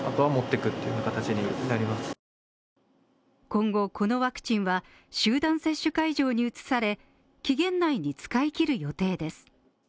今後このワクチンは集団接種会場に移され、期限内に使い切る予定です。